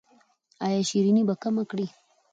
ایا شیریني به کمه کړئ؟